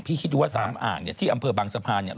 คิดดูว่าสามอ่างเนี่ยที่อำเภอบางสะพานเนี่ย